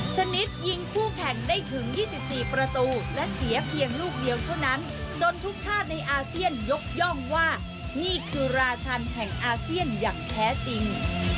ชนิดยิงคู่แข่งได้ถึง๒๔ประตูและเสียเพียงลูกเดียวเท่านั้นจนทุกชาติในอาเซียนยกย่องว่านี่คือราชันแห่งอาเซียนอย่างแท้จริง